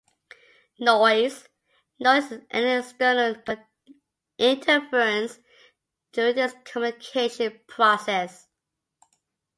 Noise: Noise is any external interference during this communication process.